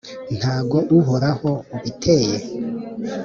ntago Uhoraho ubiteye?